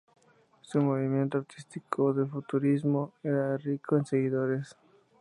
Su movimiento artístico del futurismo era rico en seguidores.